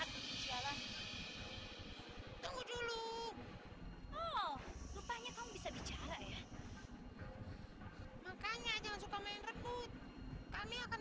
tunggu dulu oh rupanya kamu bisa bicara ya makanya jangan suka main rekut kami akan